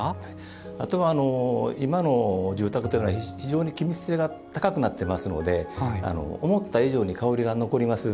あとは今の住宅というのは非常に気密性が高くなっていますので思った以上に香りが残ります。